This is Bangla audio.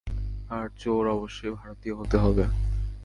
আর চোর অবশ্যই ভারতীয় হতে হবে।